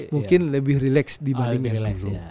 mungkin lebih rileks dibanding yang dulu